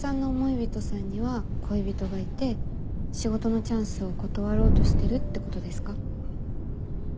人さんには恋人がいて仕事のチャンスを断ろうとしてるってことですか？